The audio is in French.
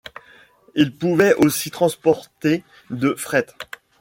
Il pouvait aussi transporter de fret.